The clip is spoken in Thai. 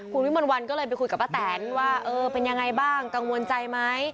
คุณวิมนต์วันก็เลยไปคุยกับป้าแตนว่าเออเป็นยังไงบ้างกังวลใจไหม